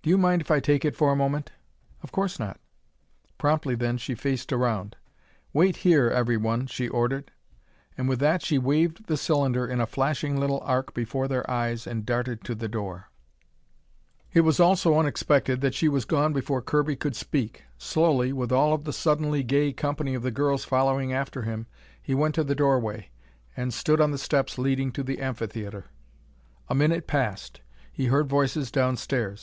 "Do you mind if I take it for a moment?" "Of course not." Promptly then she faced around. "Wait here, everyone," she ordered. And with that she waved the cylinder in a flashing little arc before their eyes, and darted to the door. It was all so unexpected that she was gone before Kirby could speak. Slowly, with all of the suddenly gay company of girls following after him, he went to the doorway, and stood on the steps leading to the amphitheatre. A minute passed. He heard voices downstairs.